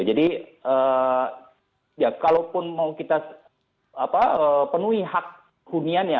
jadi ya kalaupun mau kita penuhi hak hunian ya